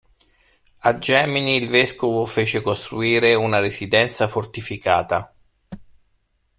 A Gemini il vescovo fece costruire una residenza fortificata.